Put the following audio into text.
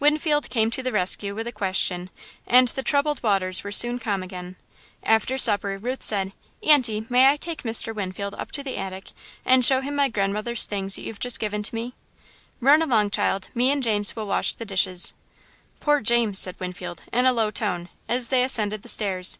Winfield came to the rescue with a question and the troubled waters were soon calm again. After supper, Ruth said: "Aunty, may I take Mr. Winfield up to the attic and show him my grandmother's things that you've just given me?" "Run along, child. Me and James will wash the dishes." "Poor James," said Winfield, in a low tone, as they ascended the stairs.